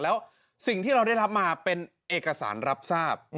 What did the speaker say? แล้วสิ่งที่เราได้รับมาเป็นเอกสารรับทราบ